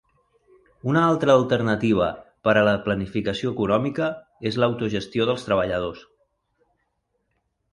Una altra alternativa per a la planificació econòmica és l'autogestió dels treballadors.